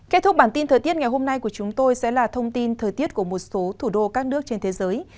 kết thúc bản tin thời tiết ngày hôm nay của chúng tôi sẽ là thông tin thời tiết của một số thủ đô các nước trên thế giới